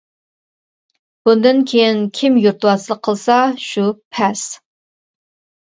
بۇندىن كىيىن كىم يۇرتۋازلىق قىلسا شۇ پەس.